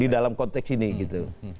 dalam konteks ini gitu